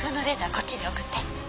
こっちに送って」